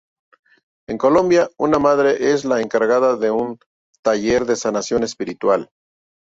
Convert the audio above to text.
En Colombia, una madre es la encargada de un taller de sanación espiritual.